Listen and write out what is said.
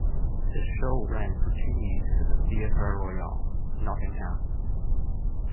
The show ran for two weeks at the Theatre Royal, Nottingham.